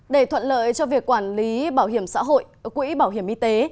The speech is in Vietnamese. để thuận lợi cho việc quản lý bảo hiểm xã hội quỹ bảo hiểm y tế